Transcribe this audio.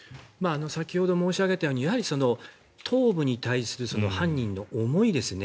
先ほど申し上げたようにやはり、頭部に対する犯人の思いですね。